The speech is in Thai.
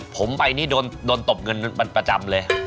ผมไปนี่โดนตบเงินมันประจำเลย